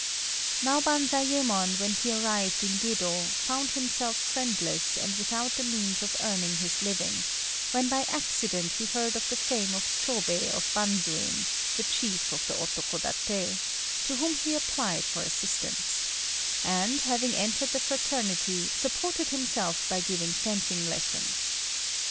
Now Banzayémon, when he arrived in Yedo, found himself friendless and without the means of earning his living, when by accident he heard of the fame of Chôbei of Bandzuin, the chief of the Otokodaté, to whom he applied for assistance; and having entered the fraternity, supported himself by giving fencing lessons.